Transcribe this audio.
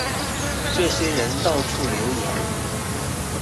這些人到處留言